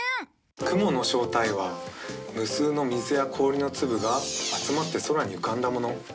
雲の正体は無数の水や氷の粒が集まって空に浮かんだもの。